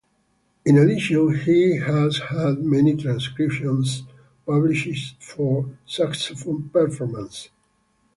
In addition, he has had many transcriptions published for saxophone performance.